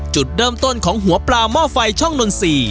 จุดเริ่มต้นของหัวปลาหม้อไฟช่องนนทรีย์